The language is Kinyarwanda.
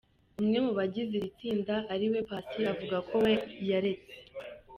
Umwe mu bagize iri tsinda ari we Paccy avuga ko we yaretse.